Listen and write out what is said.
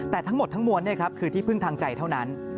แต่ทั้งหมดทั้งมวลคือที่พึ่งทางใจเท่านั้น